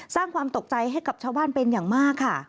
สร้างความตกใจให้กับชาวบ้านเป็นอย่างมากค่ะ